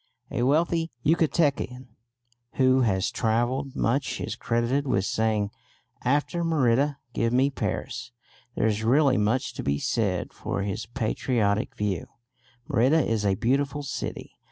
A wealthy Yucatecan who has travelled much is credited with saying, "After Merida give me Paris." There is really much to be said for his patriotic view. Merida is a beautiful city.